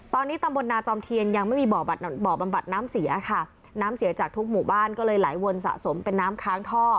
ตอนนี้ตำบลนาจอมเทียนยังไม่มีบ่อบำบัดน้ำเสียค่ะน้ำเสียจากทุกหมู่บ้านก็เลยไหลวนสะสมเป็นน้ำค้างท่อ